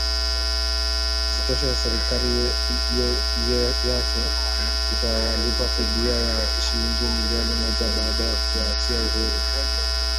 Isitoshe serikali yake itawalipa fidia ya shilingi milioni moja baada ya kuwaachilia huru